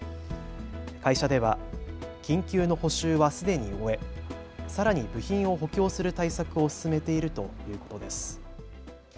会社では緊急の補修はすでに終えさらに部品を補強する対策を進めているということです。